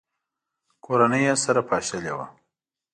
کورنۍ یې سره پاشلې وه.